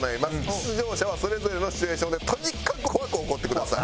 出場者はそれぞれのシチュエーションでとにかく怖く怒ってください。